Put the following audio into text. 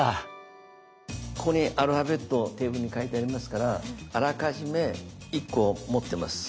ここにアルファベットテーブルに書いてありますからあらかじめ１個持ってます。